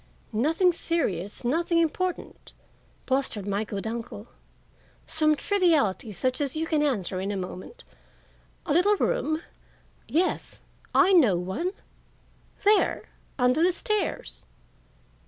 "Nothing serious, nothing important," blustered my good uncle. "Some triviality such as you can answer in a moment. A little room? Yes, I know one, there, under the stairs.